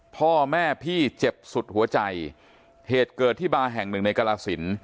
พ่อแม่พี่เจ็บสุดหัวใจเหตุเกิดที่บาร์แห่งหนึ่งในกรสิน